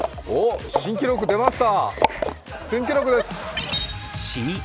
新記録出ますか？